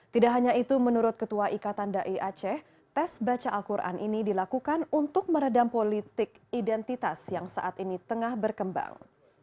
tidak hanya itu menurut ketua ikatan dai aceh tes baca al quran ini dilakukan untuk meredam politik identitas yang saat ini tengah berkembang